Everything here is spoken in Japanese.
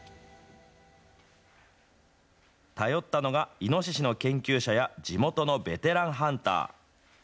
頼ったのがイノシシの研究者や、地元のベテランハンター。